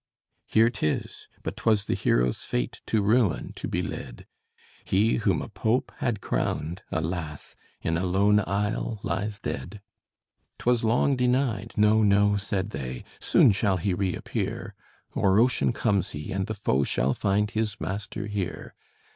"Here 'tis: but 'twas the hero's fate To ruin to be led; He whom a Pope had crowned, alas! In a lone isle lies dead. 'Twas long denied: 'No, no,' said they, 'Soon shall he reappear! O'er ocean comes he, and the foe Shall find his master here.'